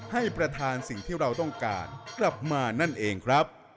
ให้ประธานสิ่งที่เราต้องการกลับมานั่นเองครับ